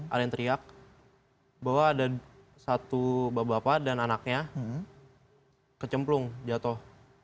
ada yang teriak bahwa ada satu bapak bapak dan anaknya kecemplung jatuh